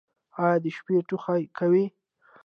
ایا د شپې ټوخی کوئ؟